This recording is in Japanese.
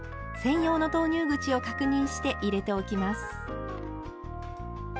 専用の投入口を確認して入れておきます。